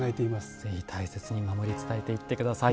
ぜひ大切に守り伝えていって下さい。